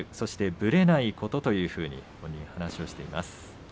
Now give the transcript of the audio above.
ぶれないことということを本人は話しています。